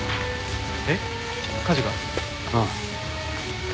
えっ火事が？ああ。